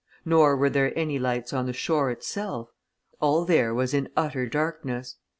Nor were there any lights on the shore itself; all there was in utter blackness.